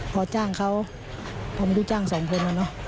พอจ้างเขาพอไม่รู้จ้างสองคนเนาะเนาะ